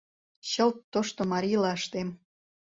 Чылт тошто марийла ыштем...